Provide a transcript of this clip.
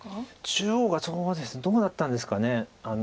中央がどうだったんですかね。